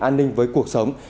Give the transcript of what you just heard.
an ninh với cuộc sống